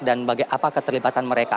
dan bagaimana keterlibatan mereka